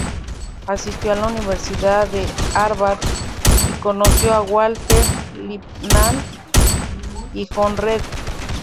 Asistió a la Universidad de Harvard y conoció a Walter Lippmann y John Reed.